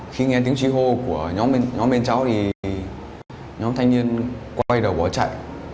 khi nghe tiếng chí hô của nhóm bên cháu nhóm thanh niên quay đầu bỏ chạy